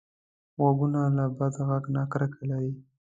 غوږونه له بد غږ نه کرکه لري